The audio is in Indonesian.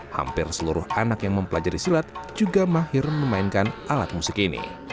hampir seluruh anak yang mempelajari silat juga mahir memainkan alat musik ini